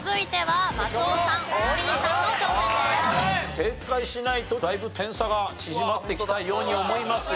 正解しないとだいぶ点差が縮まってきたように思いますよ。